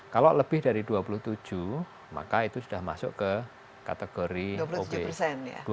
kalau lebih dari dua puluh tujuh maka itu sudah masuk ke kategori obes